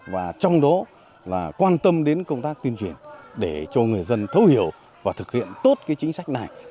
và trong đó là quan tâm đến công tác tuyên truyền để cho người dân thấu hiểu và thực hiện tốt cái chính sách này